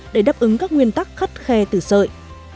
để đáp ứng các nguyên tắc khắt khe từ sợi